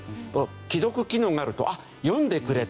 既読機能があると読んでくれた。